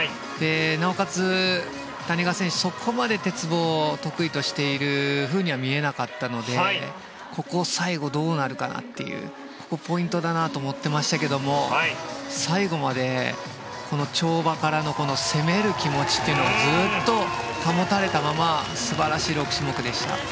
なおかつ谷川選手、そこまで鉄棒得意としているようには見えなかったのでここ最後どうなるかなというここ、ポイントだなと思っていましたけれど最後まで跳馬からの攻める気持ちというのがずっと保たれたまま素晴らしい６種目でした。